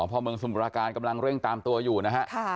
พ่อเมืองสมราการกำลังเร่งตามตัวอยู่นะฮะ